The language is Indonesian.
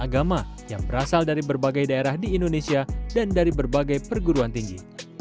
dan agama yang berasal dari berbagai daerah di indonesia dan dari berbagai perguruan tinggi